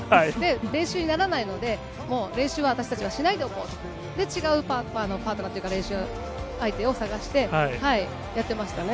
練習にならないので、もう練習は私たちはしないでおこうと、それで違うパートナーというか、練習相手を探してやってましたね。